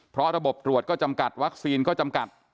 เพราะระบบตรวจก็จำกัดวัคซีนก็จำกัด